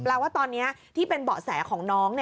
ว่าตอนนี้ที่เป็นเบาะแสของน้อง